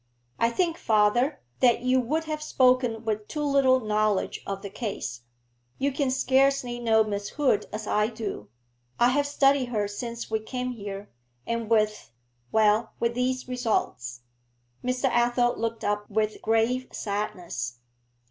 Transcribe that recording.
'I think, father, that you would have spoken with too little knowledge of the case. You can scarcely know Miss Hood as I do. I have studied her since we came here, and with well, with these results.' Mr. Athel looked up with grave sadness.